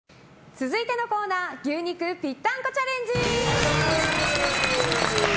続いてのコーナー牛肉ぴったんこチャレンジ！